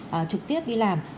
và trực tiếp đi làm